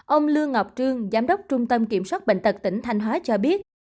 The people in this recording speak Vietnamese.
ông lương ngọc trương giám đốc trung tâm kiểm soát bệnh tật tỉnh thanh hóa cho biết